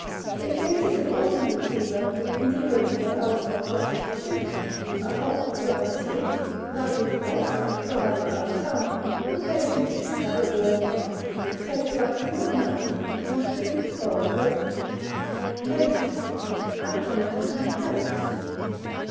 In cases of ordinary fever, indicated by alternate flushes and shivering, a hot dry skin, rapid pulse, and dry foul tongue, the patient should have a warm bath, take but little nourishment, and drink cold water. Medicine. Aconitum napellus.